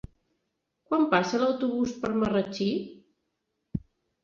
Quan passa l'autobús per Marratxí?